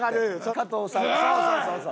加藤さんもそうそうそうそう。